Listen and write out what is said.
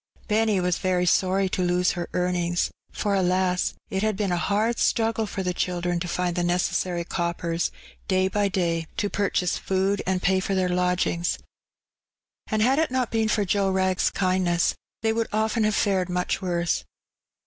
Benny was very sorry to lose her earnings, for, alas ! it had been a hard struggle for the children to find the necessary coppers day by day to 86 Heb Benny. purchase food and pay for their lodgings: and had it not been for Joe Wrag's kindness, they would often have fared much worse.